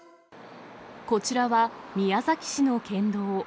こちらは、宮崎市の県道。